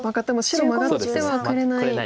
白マガってはくれない。